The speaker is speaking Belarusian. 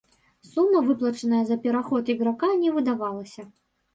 Сума, выплачаная за пераход іграка, не выдавалася.